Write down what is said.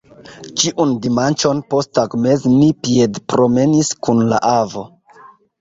Ĉiun dimanĉon posttagmeze ni piedpromenis kun la avo.